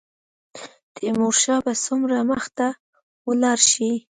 تیمورشاه به څومره مخته ولاړ شي.